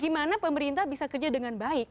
gimana pemerintah bisa kerja dengan baik